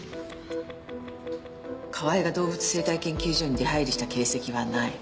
川井が動物生態研究所に出入りした形跡はない。